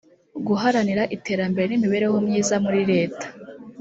guharanira iterambere n imibereho myiza muri leta